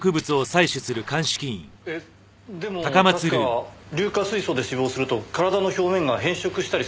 えっでも確か硫化水素で死亡すると体の表面が変色したりするはずでは？